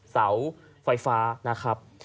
เสาไฟฟ้านะครับ